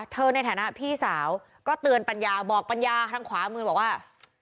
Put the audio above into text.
ในฐานะพี่สาวก็เตือนปัญญาบอกปัญญาทางขวามือบอกว่า